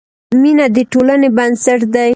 مینه د ټولنې بنسټ دی.